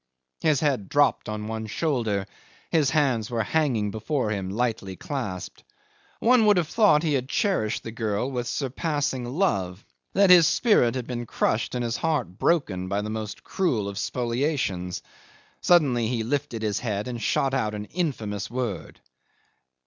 His head drooped on one shoulder, his hands were hanging before him lightly clasped. One would have thought he had cherished the girl with surpassing love, that his spirit had been crushed and his heart broken by the most cruel of spoliations. Suddenly he lifted his head and shot out an infamous word.